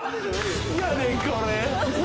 なんやねんこれ。